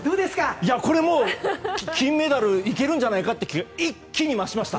これ、金メダルいけるんじゃないかっていう気が一気に増しました。